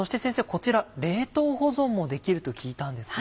こちら冷凍保存もできると聞いたんですが。